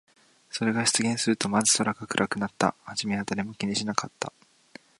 それが出現すると、まず空が暗くなった。はじめは誰も気にしなかった。